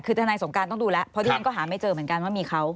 คือทนายสงการต้องดูแล้วเพราะที่ฉันก็หาไม่เจอเหมือนกันว่ามีเขา